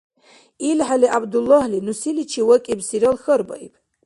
ИлхӀели ГӀябдуллагьли ну селичи вакӀибсирал хьарбаиб.